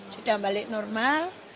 sudah balik normal